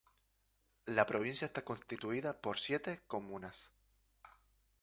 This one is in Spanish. La provincia está constituida por siete comunas.